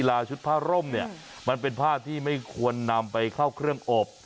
ชุดผ้าร่มเนี่ยมันเป็นผ้าที่ไม่ควรนำไปเข้าเครื่องอบ